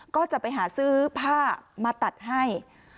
ก็จะไปหาซื้อผ้ามาตัดให้